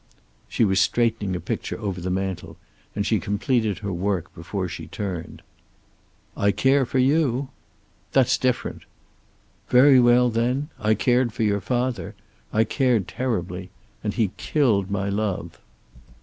She was straightening a picture over the mantel, and she completed her work before she turned. "I care for you." "That's different." "Very well, then. I cared for your father. I cared terribly. And he killed my love."